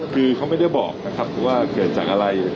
ก็ไม่บอกนะครับเพราะว่าเกิดจากอะไร